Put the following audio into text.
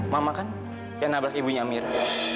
mama kan yang nabrak ibunya mir